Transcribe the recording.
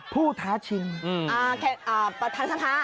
ผู้ท้าชิงอ่าแค่ประธานสภา